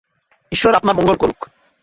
ঈশ্বর আপনার মঙ্গল করুক।